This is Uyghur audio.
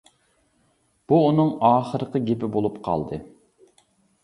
بۇ ئۇنىڭ ئاخىرقى گېپى بولۇپ قالدى.